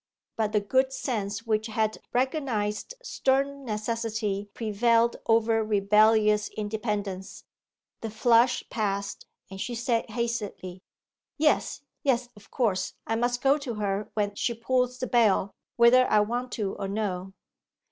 But the good sense which had recognized stern necessity prevailed over rebellious independence; the flush passed, and she said hastily 'Yes, yes; of course, I must go to her when she pulls the bell whether I want to or no.